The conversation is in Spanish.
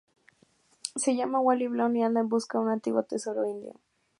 Se llama Wally Blount y anda en busca de un antiguo tesoro indio.